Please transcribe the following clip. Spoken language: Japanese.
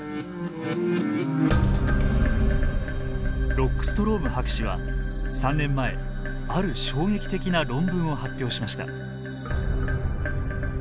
ロックストローム博士は３年前ある衝撃的な論文を発表しました。